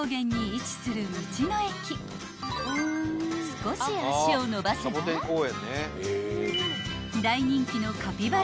［少し足を延ばせば大人気のカピバラをはじめ